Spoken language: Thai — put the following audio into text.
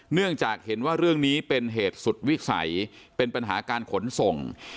เนื่องจากเห็นว่าเรื่องนี้เป็นเหตุสุดวิสัยเป็นปัญหาการขนส่ง